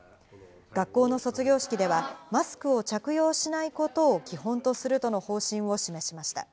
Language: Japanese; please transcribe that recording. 学校の卒業式ではマスクを着用しないことを基本とするとの方針を示しました。